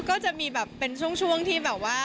ก็จะมีแบบเป็นช่วงที่แบบว่า